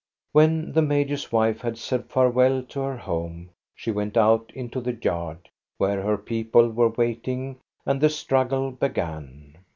When the major's wife had said farewell to her home, she went out into the yard, where her people were waiting, and the struggle began.